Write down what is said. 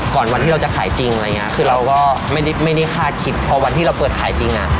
ก็ไม่ได้คาดคิดเพราะวันที่เราเปิดขายจริงอ่ะ